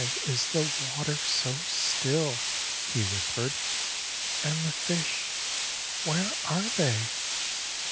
"Why is the water so still?" he whispered; "and the fish, where are they?"